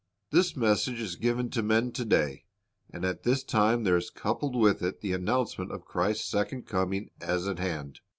This message is gi\ en to men to day, and at tliis time there is coupled with it the announcement of Christ's second coming as at hand.